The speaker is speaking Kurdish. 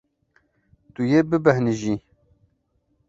Tu yê bibêhnijî.